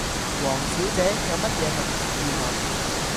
王小姐，有乜嘢問題要問？